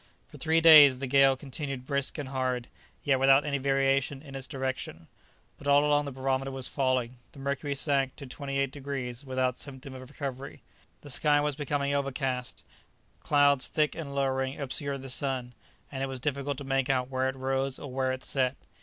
For three days the gale continued brisk and hard, yet without any variation in its direction. But all along the barometer was falling; the mercury sank to 28° without symptom of recovery. The sky was becoming overcast; clouds, thick and lowering, obscured the sun, and it was difficult to make out where it rose or where it set.